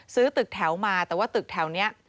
ซื้อตึกแถวมาแต่ว่าตึกแถวนี้